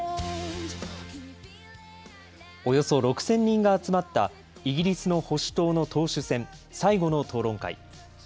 およそ６０００人が集まったイギリスの保守党の党首選、最後の討論会。